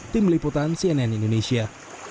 tim liputan cnn indonesia